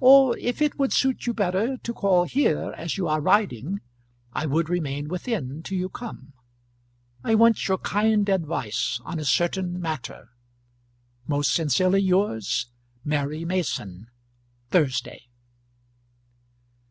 Or if it would suit you better to call here as you are riding, I would remain within till you come. I want your kind advice on a certain matter. Most sincerely yours, MARY MASON. Thursday.